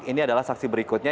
ini adalah saksi berikutnya